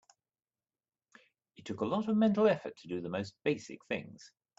It took a lot of mental effort to do the most basic things.